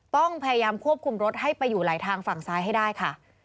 ต้องพยายามควบคุมรถให้ไปอยู่หลายทางฝั่งซ้ายให้ได้ค่ะ